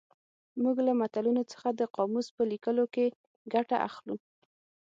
موږ له متلونو څخه د قاموس په لیکلو کې ګټه اخلو